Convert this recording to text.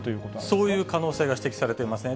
そういう可能性が指摘されていますね。